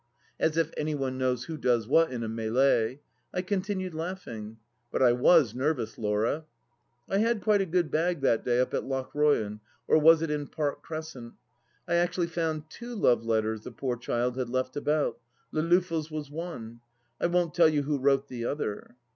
As if any one knows who does what in a milSe ! I con tinued, laughing ; but I was nervous, Laura :" I had quite a good bag that day up at Lochroyan — or was it in Park Crescent ? I actually found two love letters the poor child had left about. ... Le Loffel's was one. I won't tell you who wrote the other.